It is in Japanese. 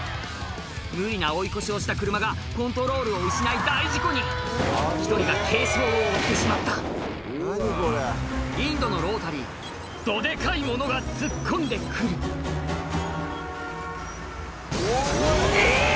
無理な追い越しをした車がコントロールを失い大事故に１人が軽傷を負ってしまったインドのロータリーどデカいものが突っ込んで来るえぇ！